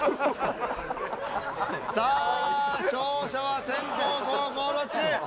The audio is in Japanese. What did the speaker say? さあ勝者は先攻・後攻どっち？